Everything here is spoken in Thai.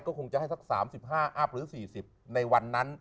ก็คงจะให้สัก๓๕อัพหรือ๔๐ในวันนั้น